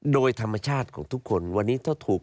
โดยธรรมชาติของทุกคนวันนี้ถ้าถูก